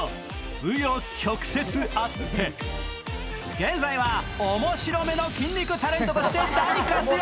現在は、おもしろめの筋肉タレントとして大活躍。